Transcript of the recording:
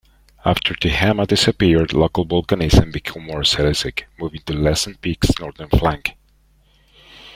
After Tehama disappeared, local volcanism became more silicic, moving to Lassen Peak's northern flank.